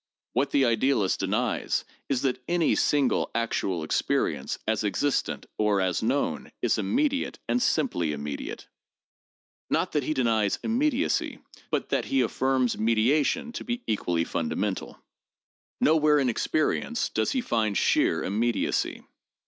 What the idealist denies is that 'any single actual experience, as existent or as known, is immediate, and simply immediate. ' Not that he denies immediacy, but that he affirms mediation to be equally fundamental. Nowhere in experience does he find sheer immediacy.